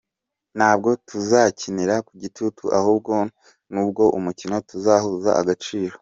Ntabwo tuzakinira ku gitutu ahubwo nubwo umukino tuzahuza agaciro.